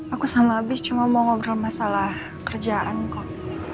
aku sama habis cuma mau ngobrol masalah kerjaan kok